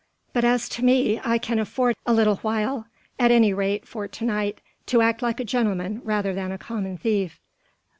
But as to me I can afford a little while at any rate for to night to act like a gentleman rather than a common thief."